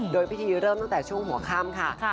โดยพิธีเริ่มตั้งแต่ช่วงหัวค่ำค่ะ